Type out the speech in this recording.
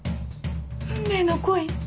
運命の恋。